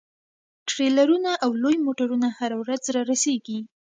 ټریلرونه او لوی موټرونه هره ورځ رارسیږي